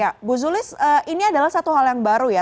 ya bu zulis ini adalah satu hal yang baru ya